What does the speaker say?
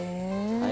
はい。